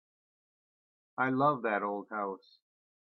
I love that old house.